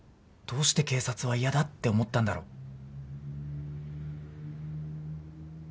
どうして警察は嫌だって思ったんだろう？